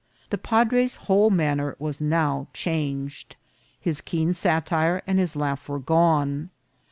The padre's whole manner was now changed ; his keen satire and his laugh were gone.